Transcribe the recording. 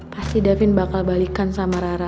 pasti davin bakal balikan sama rara